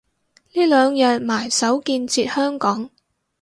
呢兩日埋首建設香港